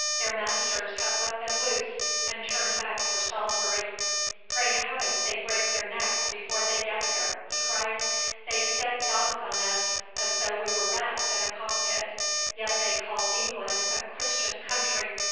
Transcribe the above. Their masters have let them loose, and turned back for Salisbury.' 'Pray heaven they break their necks before they get there!' he cried. 'They set dogs on us as though we were rats in a cock pit. Yet they call England a Christian country!